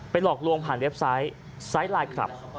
หลอกลวงผ่านเว็บไซต์ไซส์ไลน์คลับ